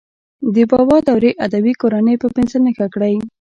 د بابا د دورې ادبي کورنۍ په پنسل نښه کړئ.